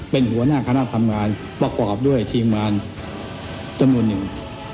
เป็นหัวหน้าคณะทำงานประกอบด้วยทีมงานจำนวนหนึ่ง